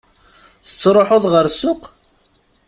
Tettruḥuḍ ɣer ssuq?